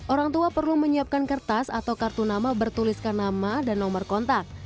orang tua perlu menyiapkan kertas atau kartu nama bertuliskan nama dan nomor kontak